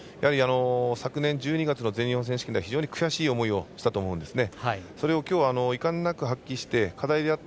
昨年１２月の全日本選手権では非常に悔しい思いをしたと思うんですね。